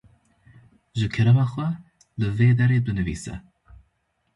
Ji kerema xwe li vê derê binivîse